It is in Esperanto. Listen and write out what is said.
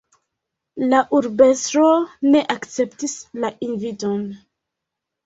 La urbestro ne akceptis la inviton.